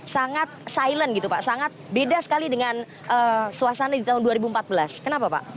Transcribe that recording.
sangat silent gitu pak sangat beda sekali dengan suasana di tahun dua ribu empat belas kenapa pak